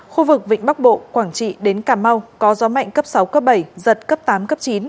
khu vực vịnh bắc bộ quảng trị đến cà mau có gió mạnh cấp sáu cấp bảy giật cấp tám cấp chín